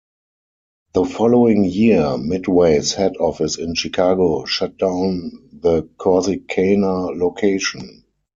The following year, Midway's head office in Chicago shut down the Corsicana location.